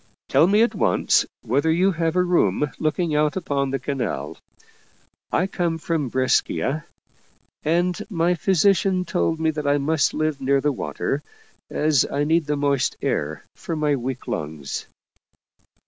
" Tell me at once whether you have a room look ing out upon the canal. I come from Brescia, and my physician told me that I must live near the water, as I need the moist air for my weak lungs."